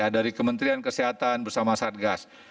dari kementerian kesehatan bersama satgas